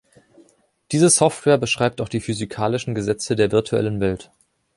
Diese Software beschreibt auch die physikalischen Gesetze der virtuellen Welt.